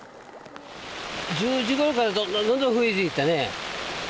１０時ごろからどんどんどんどん降ってきたね。